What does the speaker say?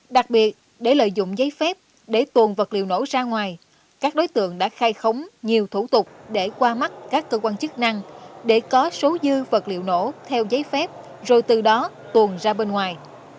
đặc biệt để lợi dụng giấy phép để tuồn vật liệu nổ ra ngoài các đối tượng đã khai khống nhiều thủ tục để qua mắt các cơ quan chức năng để có số dư vật liệu nổ theo giấy phép rồi từ đó tuồn ra bên ngoài